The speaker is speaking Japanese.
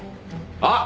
あっ！